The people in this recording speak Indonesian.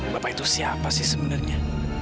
bapak itu siapa sih sebenarnya